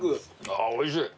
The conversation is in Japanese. あぁおいしい。